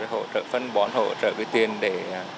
hỗ trợ phân bón hỗ trợ tiền để